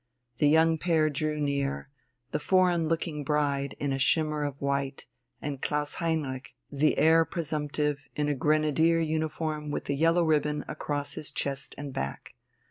The young pair drew near; the foreign looking bride in a shimmer of white and Klaus Heinrich, the Heir Presumptive, in a Grenadier uniform with the yellow ribbon across his chest and back.